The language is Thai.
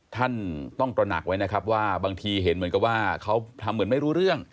ท่านต้องตระหนักไว้นะครับว่าบางทีเห็นเหมือนกับว่าเขาทำเหมือนไม่รู้เรื่อง